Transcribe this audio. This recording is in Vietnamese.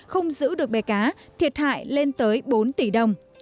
không giữ được bè cá thiệt hại lên tới bốn tỷ đồng